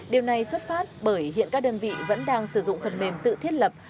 điều này xuất phát bởi hiện các đơn vị vẫn đang sử dụng phần mềm tự thiết lập